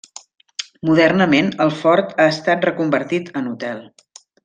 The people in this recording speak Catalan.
Modernament el fort ha estat reconvertit en hotel.